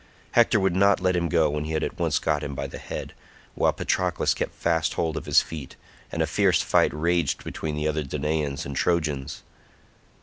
Hector would not let him go when he had once got him by the head, while Patroclus kept fast hold of his feet, and a fierce fight raged between the other Danaans and Trojans.